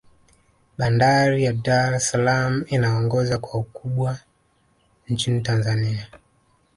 bandari ya dar es salaam inaongoza kwa ukumbwa nchini tanzania